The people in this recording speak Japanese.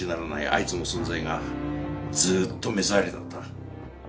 あいつの存在がずっと目障りだった。